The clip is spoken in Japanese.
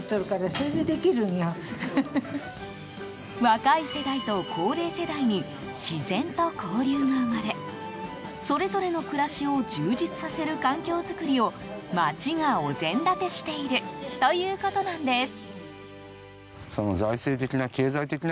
若い世代と高齢世代に自然と交流が生まれそれぞれの暮らしを充実させる環境作りを町がお膳立てしているということなんです。